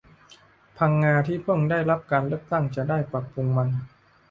พังงาที่เพิ่งได้รับการเลือกตั้งจะได้ปรับปรุงมัน